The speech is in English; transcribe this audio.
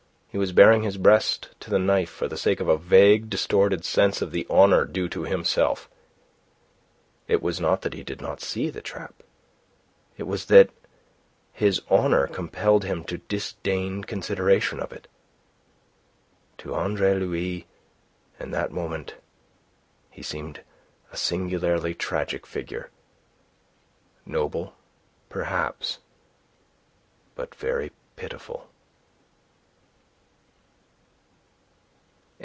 He was baring his breast to the knife for the sake of a vague, distorted sense of the honour due to himself. It was not that he did not see the trap. It was that his honour compelled him to disdain consideration of it. To Andre Louis in that moment he seemed a singularly tragic figure. Noble, perhaps, but very pitiful.